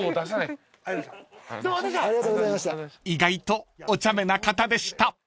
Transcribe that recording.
［意外とおちゃめな方でした］